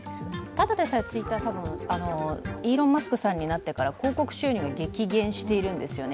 ただでさえＴｗｉｔｔｅｒイーロン・マスクさんになってから広告収入激減しているんですよね。